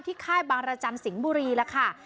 ค่ายบางรจันทร์สิงห์บุรีล่ะค่ะ